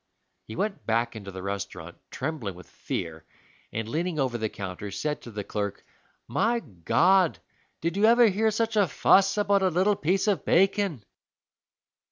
He went back into the restaurant, trembling with fear, and, leaning over the counter, said to the clerk, "My God, did you ever hear such a fuss about a little piece of bacon!"